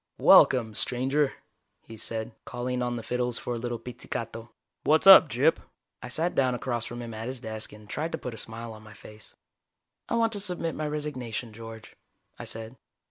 "Welcome, stranger," he said, calling on the fiddles for a little pizzicato. "What's up, Gyp?" I sat down across from him at his desk and tried to put a smile on my face. "I want to submit my resignation, George," I said.